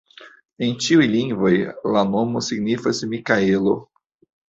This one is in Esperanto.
En ĉiuj lingvoj la nomo signifas Mikaelo.